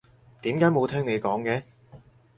點解冇聽你講嘅？